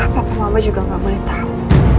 papa mama juga gak boleh tau